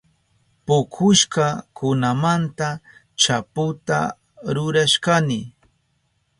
Pukushka kunamanta chaputa rurashkani.